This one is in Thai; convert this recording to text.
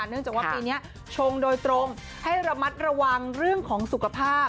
เนื่องจากว่าปีนี้ชงโดยตรงให้ระมัดระวังเรื่องของสุขภาพ